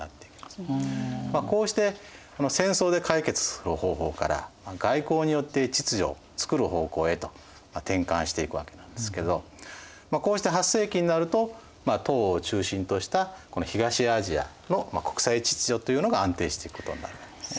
こうして戦争で解決する方法から外交によって秩序をつくる方向へと転換していくわけなんですけどこうして８世紀になると唐を中心とした東アジアの国際秩序というのが安定していくことになるわけですね。